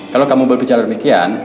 kalau kamu berbicara demikian